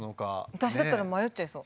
私だったら迷っちゃいそう。